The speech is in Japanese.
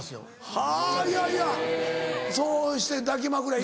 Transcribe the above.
はぁいやいやそうして抱き枕いる人も。